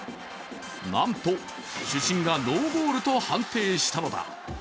なんと主審がノーゴールと判定したのだ。